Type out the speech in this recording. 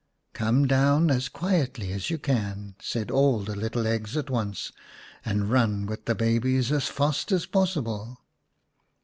" Come down as quietly as you can," said all the little eggs at once, " and run with the babies as fast as possible."